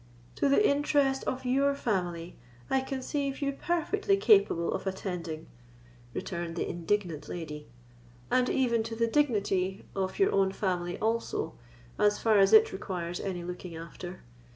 "To the interest of your family I conceive you perfectly capable of attending," returned the indignant lady, "and even to the dignity of your own family also, as far as it requires any looking after.